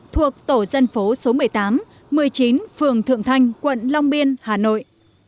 thuộc tổ dân phố số một mươi tám một mươi chín phường thượng thanh quận long biên hà nội